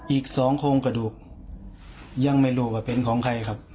อีกสองโครงกระดูกยังไม่รู้ว่าเป็นของใครครับ